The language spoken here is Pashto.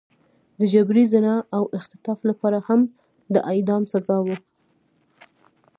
د جبري زنا او اختطاف لپاره هم د اعدام سزا وه.